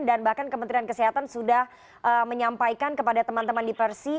dan bahkan kementerian kesehatan sudah menyampaikan kepada teman teman di persi